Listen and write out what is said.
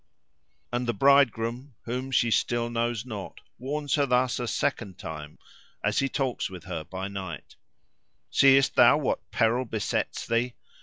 And the bridegroom, whom still she knows not, warns her thus a second time, as he talks with her by night: "Seest thou what peril besets thee?